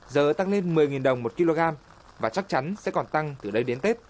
giờ tăng lên một mươi đồng một kg và chắc chắn sẽ còn tăng từ đây đến tết